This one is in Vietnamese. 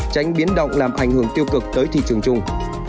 tránh biến động làm ảnh hưởng tiêu cực tới thị trường chung